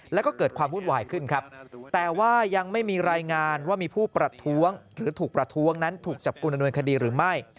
แล้วก็เกิดความวุ่นวายขึ้นครับแต่ว่ายังไม่มีรายงานว่ามีผู้ประท้วงหรือถูกประท้วงนั้นถูกจับกลุ่มดำเนินคดีหรือไม่